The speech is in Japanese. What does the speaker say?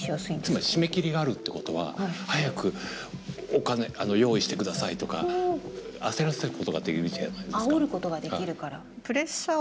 つまり締め切りがあるってことは「早くお金用意して下さい」とかあおることができるから。